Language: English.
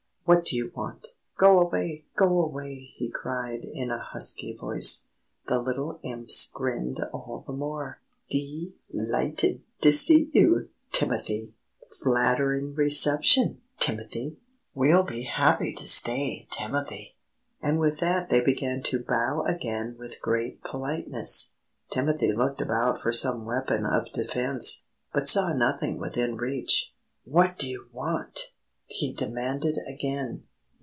"What do you want? Go away! Go away!" he cried, in a husky voice. The little Imps grinned all the more. "Dee lighted to see you, Timothy!" "Flattering reception, Timothy!" "We'll be happy to stay, Timothy!" And with that they began to bow again with great politeness. Timothy looked about for some weapon of defence, but saw nothing within reach. "What do you want?" he demanded again.